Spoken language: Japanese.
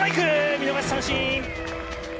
見逃し三振。